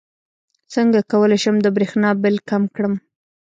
څنګه کولی شم د بریښنا بل کم کړم